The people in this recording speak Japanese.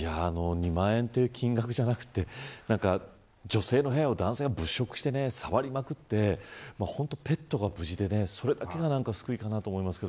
２万円という金額じゃなくて女性の部屋を男性が物色して触りまくって、ペットが無事でそれだけが救いかなと思います。